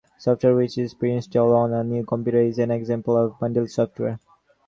Software which is pre-installed on a new computer is an example of bundled software.